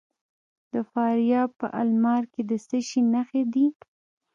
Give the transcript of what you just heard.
د فاریاب په المار کې د څه شي نښې دي؟